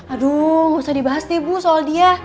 aduh gak usah dibahas nih bu soal dia